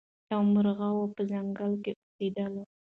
یو مرغه وو په ځنګله کي اوسېدلی